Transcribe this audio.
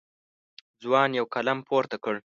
ځوان یو قلم پورته کړ.